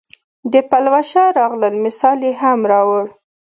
د پلوشه راغلل مثال یې هم راووړ.